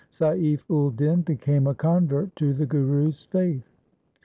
Saif ul din became a convert to the Guru's faith.